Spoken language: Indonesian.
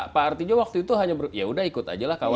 pak artijo waktu itu hanya berkata ya sudah ikut saja kawan